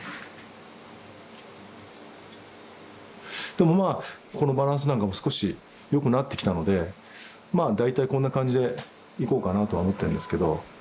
でもまあこのバランスなんかも少し良くなってきたのでまあ大体こんな感じでいこうかなとは思ってんですけど問題は目ですよね。